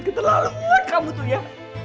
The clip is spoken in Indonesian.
keterlaluan kamu tuh ya